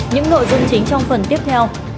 những nội dung chính trong phần tiếp theo